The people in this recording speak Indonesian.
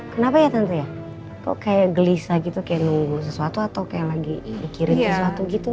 kenapa ya tentu ya kok kayak gelisah gitu kayak nunggu sesuatu atau kayak lagi mikirin sesuatu gitu